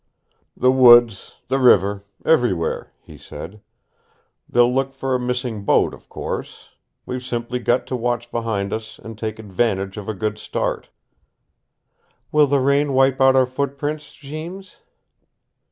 "The woods, the river, everywhere," he said. "They'll look for a missing boat, of course. We've simply got to watch behind us and take advantage of a good start." "Will the rain wipe out our footprints, Jeems?"